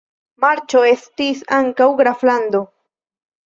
Marĉo estis ankaŭ graflando.